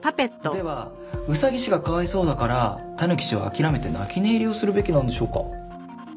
ではうさぎ氏がかわいそうだからたぬき氏は諦めて泣き寝入りをするべきなんでしょうか？